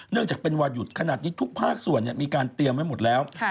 จากเป็นวันหยุดขนาดนี้ทุกภาคส่วนมีการเตรียมไว้หมดแล้ว